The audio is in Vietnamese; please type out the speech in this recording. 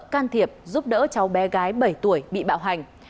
can thiệp giúp đỡ cháu bé gái bảy tuổi bị bạo hành